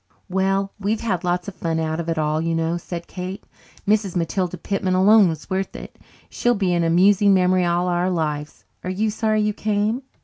"Well, we've had lots of fun out of it all, you know," said Kate. "Mrs. Matilda Pitman alone was worth it. She will be an amusing memory all our lives. Are you sorry you came?"